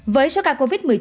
với số ca covid một mươi chín